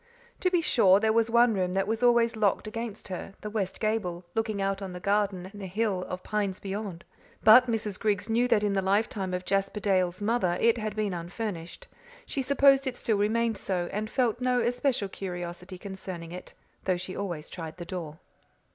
To be sure, there was one room that was always locked against her, the west gable, looking out on the garden and the hill of pines beyond. But Mrs. Griggs knew that in the lifetime of Jasper Dale's mother it had been unfurnished. She supposed it still remained so, and felt no especial curiosity concerning it, though she always tried the door.